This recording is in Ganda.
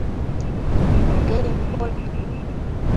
Byogere mpola!